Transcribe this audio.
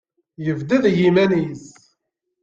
Yebded i yiman-nnes.